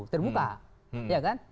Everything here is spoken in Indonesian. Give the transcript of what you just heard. terbuka ya kan